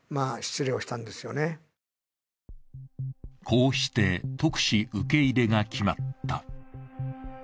こうして特使受け入れが決まった。